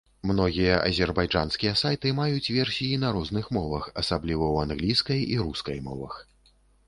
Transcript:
Многія азербайджанскія сайты маюць версіі на розных мовах, асабліва ў англійскай і рускай мовах.